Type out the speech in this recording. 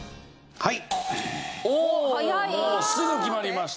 はい。